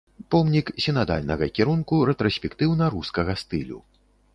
Помнік сінадальнага кірунку рэтраспектыўна-рускага стылю.